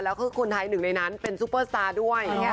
แล้วก็คนไทยหนึ่งในนั้นเป็นซุปเปอร์สตาร์ด้วย